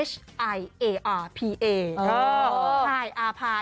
ฮายอาพา